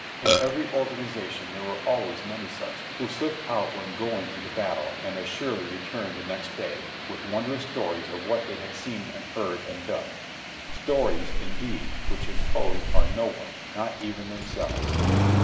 In every organization there were always many such, who slipped out when going into battle and as surely returned the next day with wondrous stories of what they had seen and heard and done — stories, indeed, which imposed on no one, not even themselves.